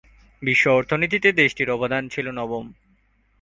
বিশ্ব অর্থনীতিতে দেশটির অবস্থান ছিল নবম।